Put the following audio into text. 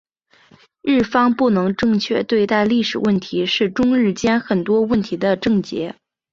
日方不能正确对待历史问题是中日间很多问题的症结。